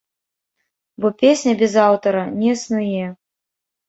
Бо песня без аўтара не існуе!